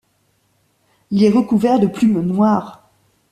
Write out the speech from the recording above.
Il est recouvert de plumes noires.